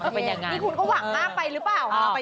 นี่คุณก็หวังมากไปหรือเปล่า